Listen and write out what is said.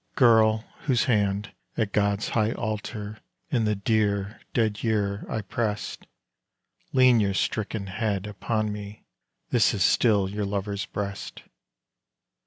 Girl, whose hand at God's high altar in the dear, dead year I pressed, Lean your stricken head upon me this is still your lover's breast!